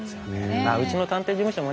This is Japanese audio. うちの探偵事務所もね